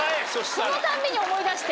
そのたんびに思い出して。